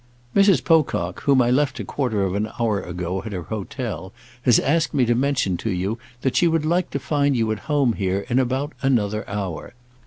"Mrs. Pocock, whom I left a quarter of an hour ago at her hotel, has asked me to mention to you that she would like to find you at home here in about another hour.